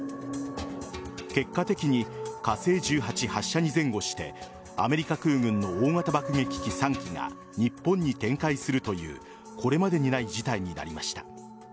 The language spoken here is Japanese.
結果的に火星１８発射に前後してアメリカ空軍の大型爆撃機３機が日本に展開するというこれまでにない事態になりました。